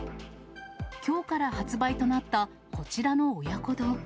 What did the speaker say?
きょうから発売となったこちらの親子丼。